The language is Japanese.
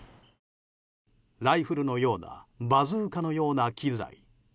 ライフルのようなバズーカのような機材。